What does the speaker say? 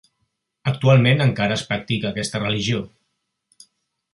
Actualment encara es practica aquesta religió.